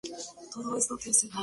¿ellos beberían?